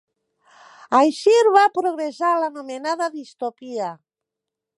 Així va progressar l'anomenada distopia.